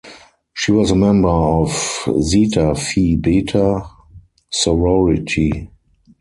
She was a member of Zeta Phi Beta sorority.